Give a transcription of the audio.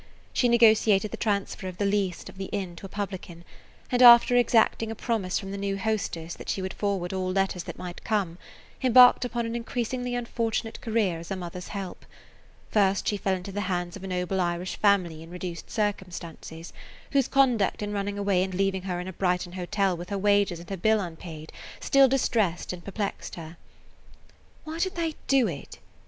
She negotiated the transfer of the lease of the inn to a publican, and, after exacting a promise from the new hostess that she would forward all letters that might come, embarked upon an increasingly unfortunate career as a mother's help. First she fell into the hands of a noble Irish family in reduced circumstances, whose conduct in running away and leaving her in a Brighton hotel with her wages and her bill unpaid still distressed and perplexed her. "Why did they do it?"